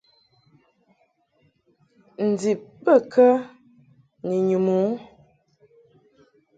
Ndib bə kə ni nyum u ?